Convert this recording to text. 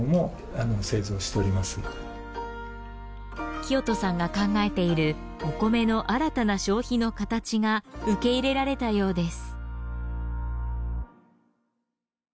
聖人さんが考えているお米の新たな消費の形が受け入れられたようです。